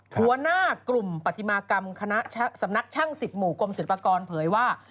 หัวหน้ากลุ่มปฏิมากรรมคณะสำนักช่าง๑๐หมู่กรมศิลปากรเผยว่า